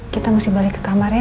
kita mesti balik ke kamarnya